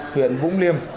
huyện vũng liêm